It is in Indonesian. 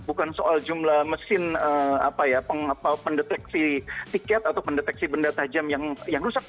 bukan soal jumlah mesin pendeteksi tiket atau pendeteksi benda tajam yang rusak